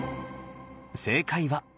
正解は。